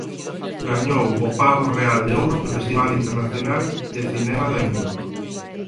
Gañou o Pavo Real de Ouro no Festival Internacional de Cinema da India.